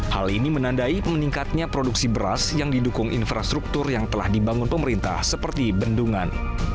hal ini menandai meningkatnya produksi beras yang didukung infrastruktur yang telah dibangun pemerintah seperti bendungan